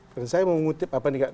dan saya mau mengutip apa nih